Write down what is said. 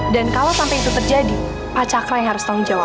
dan kalau sampai itu terjadi pak cakra yang harus tanggung jawab